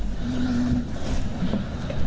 หันไปมองกระตุกผู้โทษภาพดิ